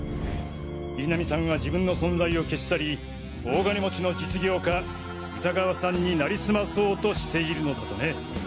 印南さんは自分の存在を消し去り大金持ちの実業家歌川さんになりすまそうとしているのだとね。